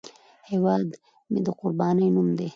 هیواد مې د قربانۍ نوم دی